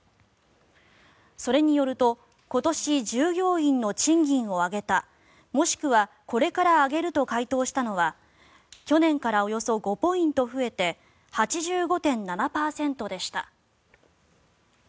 それによると今年従業員の賃金を上げたもしくはこれから上げると回答したのは去年からおよそ５ポイント増えて８５．７％でした。